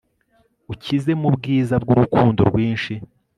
Ukize mubwiza kubwurukundo rwinshi